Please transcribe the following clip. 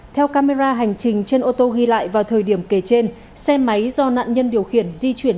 theo camera hành trình trên ô tô ghi lại vào thời điểm kể trên xe máy do nạn nhân điều khiển di chuyển